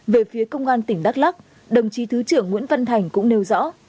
về phía công an tỉnh đắk lắc đồng chí thứ trưởng nguyễn văn thành cũng nêu rõ